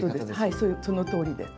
はいそのとおりです。